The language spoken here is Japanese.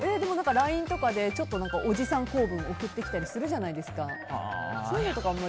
ＬＩＮＥとかでおじさん構文を送ってきたりするじゃないですかそういうのとかは？